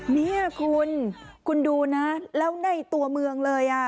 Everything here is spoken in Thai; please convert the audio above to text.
เนี่ยคุณคุณดูนะแล้วในตัวเมืองเลยอ่ะ